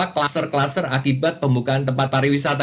kluster kluster akibat pembukaan tempat pariwisata